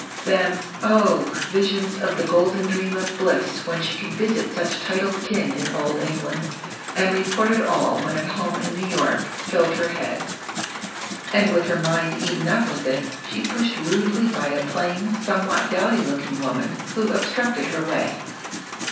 Then, oh! visions of the golden dream of bliss when she could visit such titled kin in Old England, and report it all when at home in New York, filled her head. And with her mind eaten up with it, she pushed rudely by a plain, somewhat dowdy looking woman who obstructed her way.